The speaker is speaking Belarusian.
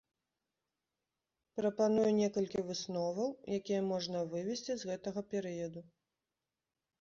Прапаную некалькі высноваў, якія можна вывесці з гэтага перыяду.